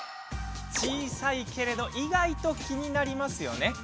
小さいけれど意外と気になりますよね。